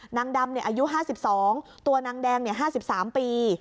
นางดำเนี่ยอายุห้าสิบสองตัวนางแดงเนี่ยห้าสิบสามปี